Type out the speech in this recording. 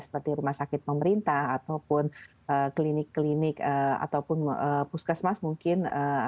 seperti rumah sakit pemerintah ataupun klinik klinik ataupun puskesmas mungkin